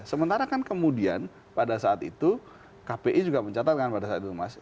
sementara kan kemudian pada saat itu kpi juga mencatatkan pada saat itu mas